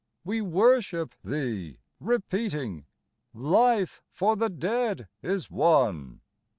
We worship Thee, repeating, Life for the dead is won !